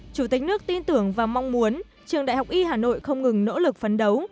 chủ tịch nước tin tưởng và mong muốn trường đại học y hà nội không ngừng nỗ lực phấn đấu